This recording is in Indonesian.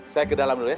saya ke dalam dulu ya